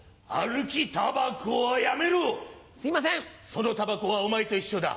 そのタバコはお前と一緒だ。